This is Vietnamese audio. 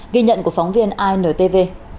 ghi nhận của phóng viên intv